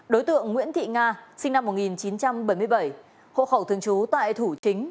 đối tượng nguyễn thị nga sinh năm một nghìn chín trăm bảy mươi bảy hộ khẩu thường trú tại thủ chính